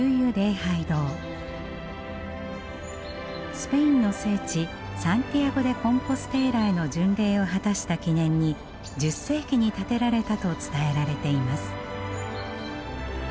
スペインの聖地サンティアゴ・デ・コンポステーラへの巡礼を果たした記念に１０世紀に建てられたと伝えられています。